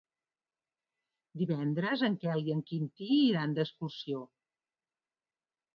Divendres en Quel i en Quintí iran d'excursió.